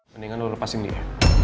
mendingan lo lepasin dia